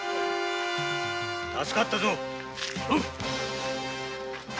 助かったぞ。